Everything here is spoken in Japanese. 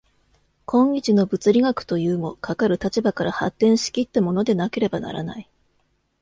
今日の物理学というも、かかる立場から発展し来ったものでなければならない。